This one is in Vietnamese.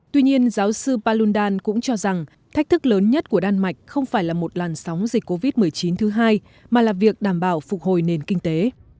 tuy nhiên giáo sư palundan cũng cho rằng thách thức lớn nhất của đan mạch không phải là một làn sóng dịch covid một mươi chín thứ hai mà là việc đảm bảo phục hồi nền kinh tế